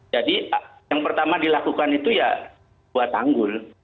jadi yang pertama dilakukan itu ya buat anggul